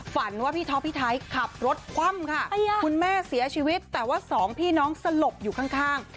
ฝันว่าพี่ท็อปพี่ไทยขับรถคว่ำค่ะคุณแม่เสียชีวิตแต่ว่าสองพี่น้องสลบอยู่ข้าง